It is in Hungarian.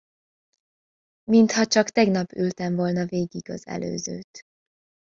Mintha csak tegnap ültem volna végig az előzőt.